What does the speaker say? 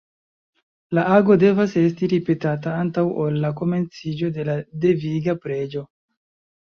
La ago devas esti ripetata antaŭ ol la komenciĝo de la deviga preĝo.